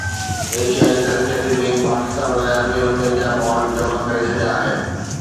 ايشيائي ترقياتي بئنڪ پاڪستان لاءِ اربين رپين جا بانڊ جمع ڪري ڇڏيا آهن